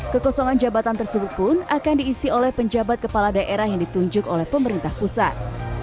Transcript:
kekosongan jabatan tersebut pun akan diisi oleh penjabat kepala daerah yang ditunjuk oleh pemerintah pusat